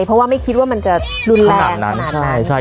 เพราะว่าไม่คิดว่ามันจะรุนแรงขนาดนี้